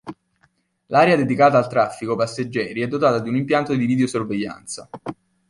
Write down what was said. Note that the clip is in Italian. L'area dedicata al traffico passeggeri è dotata di un impianto di videosorveglianza.